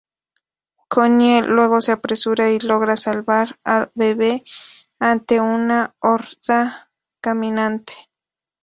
Connie luego se apresura y logra salvar al bebe ante una horda caminante.